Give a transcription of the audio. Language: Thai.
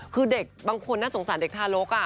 คือแบบบังคนน่าสงสัยเด็กทารก